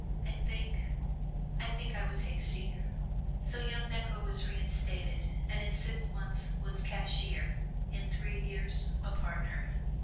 I think I think I was hasty!" So young Necker was reinstated, and in six months was cashier, in three years a partner.